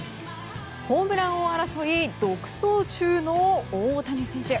ホームラン王争い独走中の大谷選手。